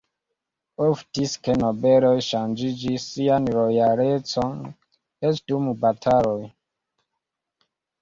Oftis ke nobeloj ŝanĝis sian lojalecon, eĉ dum bataloj.